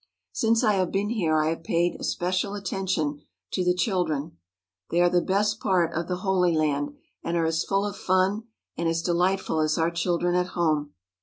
Since I have been here I have paid especial attention to the children. They are the best part of the Holy Land and are as full of fun and as delightful as our chil dren at home.